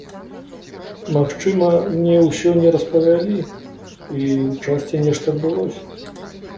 Магчыма, мне ўсё не распавялі, і ў часці нешта адбылося.